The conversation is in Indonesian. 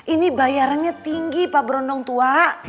ini bayarannya tinggi pak berondong tua